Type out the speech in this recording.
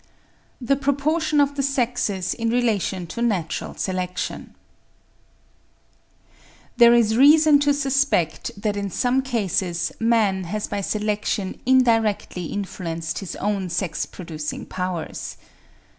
THE PROPORTION OF THE SEXES IN RELATION TO NATURAL SELECTION. There is reason to suspect that in some cases man has by selection indirectly influenced his own sex producing powers.